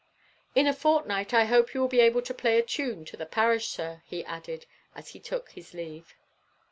"In a fortnight, I hope you will be able to play a tune to the parish, sir," he added, as he took his leave.